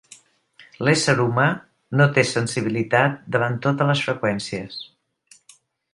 L'ésser humà no té sensibilitat davant totes les freqüències.